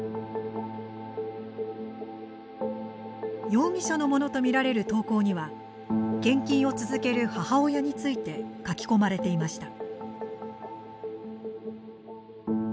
容疑者のものとみられる投稿には献金を続ける母親について書き込まれていました。